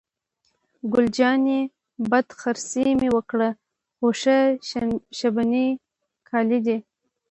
ګل جانې: بد خرڅي مې وکړل، خو ښه شبني کالي دي.